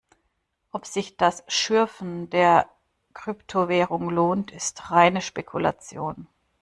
Ob sich das Schürfen der Kryptowährung lohnt, ist reine Spekulation.